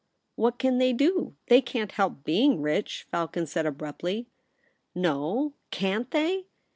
' What can they do ? They can't help being rich,' Falcon said abruptly. * No, can't they